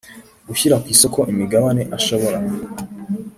gushyira ku isoko imigabane ashobora